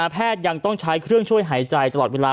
ยังต้องใช้เครื่องช่วยหายใจตลอดเวลา